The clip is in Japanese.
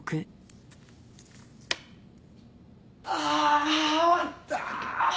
あ終わった。